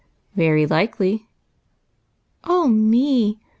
" Very likely." " Oh me